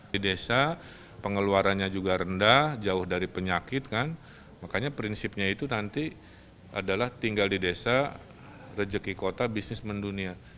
di desa pengeluarannya juga rendah jauh dari penyakit kan makanya prinsipnya itu nanti adalah tinggal di desa rejeki kota bisnis mendunia